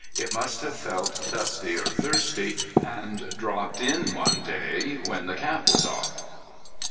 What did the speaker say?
It must have felt dusty or thirsty, and dropped in one day when the cap was off.)